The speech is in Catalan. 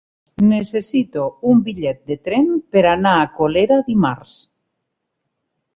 Necessito un bitllet de tren per anar a Colera dimarts.